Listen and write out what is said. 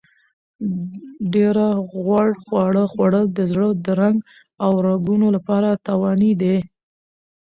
ډېر غوړ خواړه خوړل د زړه د رنګ او رګونو لپاره تاواني دي.